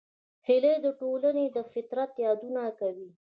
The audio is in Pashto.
هیلۍ د ټولنې د فطرت یادونه کوي